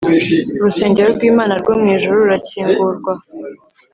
Urusengero rw’Imana rwo mu ijuru rurakingurwa,